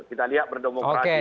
kita lihat berdemokrasi